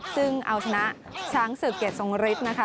ซึ่งเอาชนะช้างศึกเกียรติทรงฤทธิ์นะคะ